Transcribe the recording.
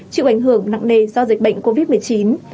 chịu ảnh hưởng nặng nề do dịch bệnh covid một mươi chín